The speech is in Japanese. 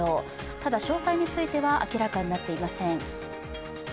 ただ、詳細については明らかになっていません。